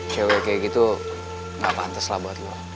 cewek kayak gitu gak pantes lah buat lo